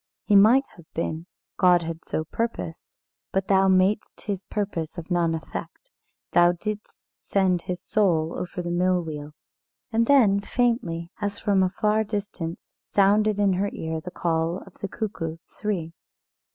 He might have been, God had so purposed; but thou madest His purpose of none effect. Thou didst send his soul over the mill wheel." And then faintly, as from a far distance, sounded in her ear the call of the cuckoo three.